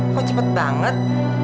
kok cepet banget